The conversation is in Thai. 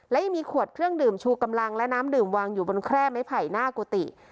และยังมีขวดเครื่องดื่มชูกำลังและน้ำดื่มวางอยู่บนแคร่ไม้ไผ่หน้ากุฏิ